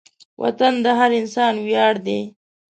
وطن د هر انسان ویاړ دی.